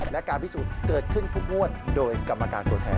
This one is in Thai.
และการพิสูจน์เกิดขึ้นทุกงวดโดยกรรมการตัวแทน